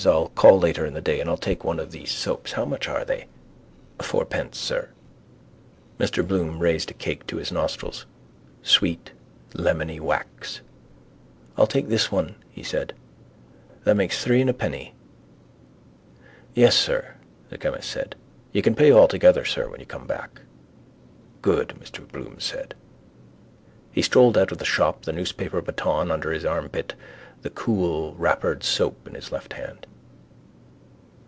I'll call later in the day and I'll take one of these soaps. How much are they? —Fourpence, sir. Mr Bloom raised a cake to his nostrils. Sweet lemony wax. —I'll take this one, he said. That makes three and a penny. —Yes, sir, the chemist said. You can pay all together, sir, when you come back. —Good, Mr Bloom said. He strolled out of the shop, the newspaper baton under his armpit, the coolwrappered soap in his left hand.